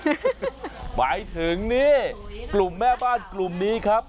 หมายถึงนี่กลุ่มแม่บ้านกลุ่มนี้ครับ